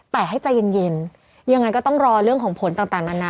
แต่ให้ใจเย็นยังไงก็ต้องรอเรื่องของผลต่างนานา